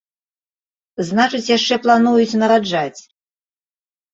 Значыць, яшчэ плануюць нараджаць.